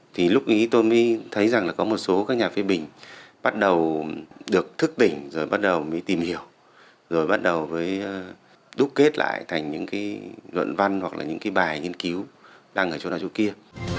thì lúc ý tôi mới thấy rằng là có một số các nhà phê bình bắt đầu được thức tỉnh rồi bắt đầu mới tìm hiểu rồi bắt đầu với đúc kết lại thành những cái luận văn hoặc là những cái bài nghiên cứu đang ở chỗ nào chỗ kia